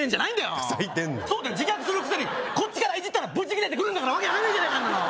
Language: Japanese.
でんねん自虐するくせにこっちからイジったらブチギレてくるんだから訳分かんないじゃないか！